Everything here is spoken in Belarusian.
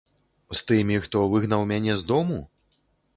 З тымі, хто выгнаў мяне з дому?